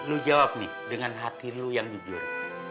lo jawab nih dengan hati lo yang jujur